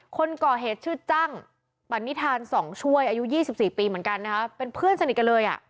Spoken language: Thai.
คนก่อเหตุชื่อจังปรณิภาณส่องช่วยอายุ๒๔ปีเหมือนกันค่ะ